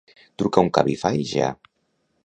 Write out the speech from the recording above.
Truca un Cabify ja.